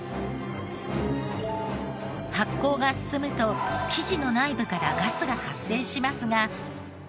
発酵が進むと生地の内部からガスが発生しますが。